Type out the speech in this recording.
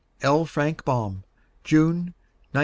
L. FRANK BAUM. June, 1903.